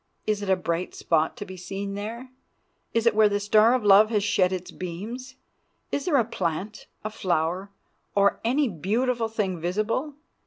Is a bright spot to be seen there? It is where the star of love has shed its beams. Is there a plant, a flower, or any beautiful thing visible?